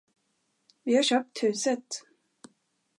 Vi har köpt huset!